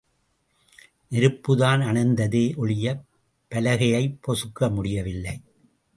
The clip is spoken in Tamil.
நெருப்புதான் அணைந்ததே ஒழியப் பலகையைப் பொசுக்க முடியவில்லை.